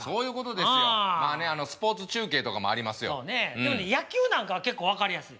でも野球なんかは結構分かりやすい。